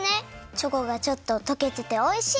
チョコがちょっととけてておいしい！